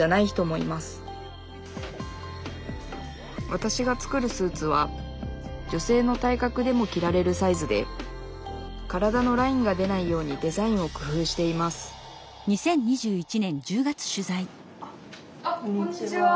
わたしが作るスーツは女性の体格でも着られるサイズで体のラインが出ないようにデザインをくふうしていますあっこんにちは。